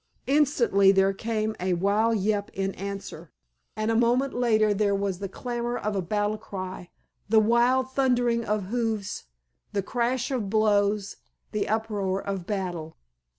Instantly there came a wild yelp in answer, and a moment later there was the clamor of a battle cry, the wild thundering of hoofs, the crash of blows, the uproar of battle.